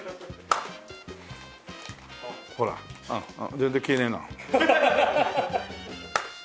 全然消えねえな。